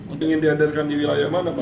untuk yang diadarkan di wilayah mana pak